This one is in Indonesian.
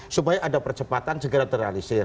supaya ada percepatan segera terrealisir